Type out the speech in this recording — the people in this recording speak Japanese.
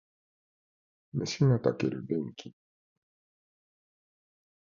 飯が炊ける便器